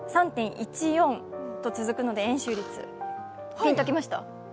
ピンときました？